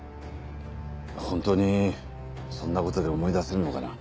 ホントにそんなことで思い出せるのかな。